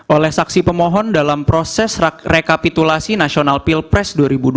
oleh saksi pemohon dalam proses rekapitulasi nasional pilpres dua ribu dua puluh